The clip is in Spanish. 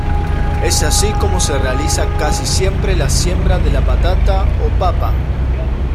Es así como se realiza casi siempre la siembra de la patata o papa.